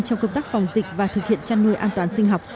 trong công tác phòng dịch và thực hiện chăn nuôi an toàn sinh học